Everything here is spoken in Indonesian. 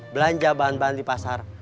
belanja bahan bahan di pasar